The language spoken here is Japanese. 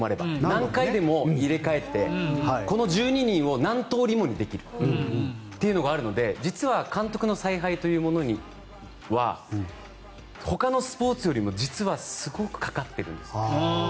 何回でも入れ替えてこの１２人を何通りもにできるというのがあるので実は監督の采配というものにはほかのスポーツよりも実はすごくかかってるんです。